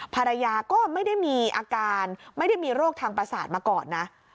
ภรรยาก็ไม่ได้มีอาการไม่ได้มีโรคทางประสาทมาก่อนนะ